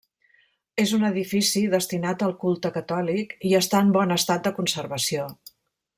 És un edifici destinat al culte catòlic i està en bon estat de conservació.